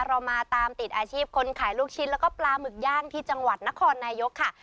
เรามาตามติดอาชีพคนขายลูกชิ้นแล้วก็ปลาหมึกย่างที่จังหวัดนครนายกค่ะ